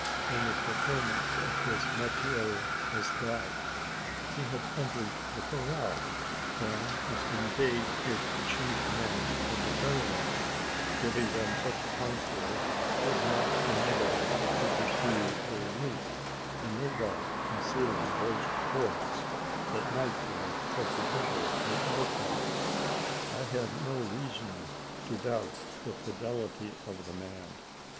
In the performance of his metier as guide, he had entered the corral, and was engaged with the chief men of the caravan giving them such counsel as might enable them to pursue their route, and no doubt concealing those points that might be prejudicial to our cause. I had no reason to doubt the fidelity of the man.